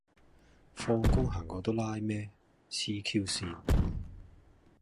放工行過都拉咩，痴 Q 線